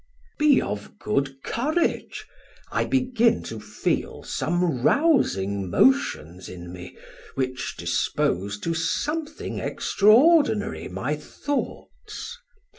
1380 Sam: Be of good courage, I begin to feel Some rouzing motions in me which dispose To something extraordinary my thoughts.